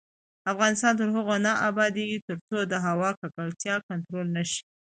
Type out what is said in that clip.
افغانستان تر هغو نه ابادیږي، ترڅو د هوا ککړتیا کنټرول نشي.